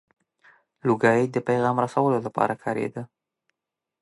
• لوګی د پیغام رسولو لپاره کارېده.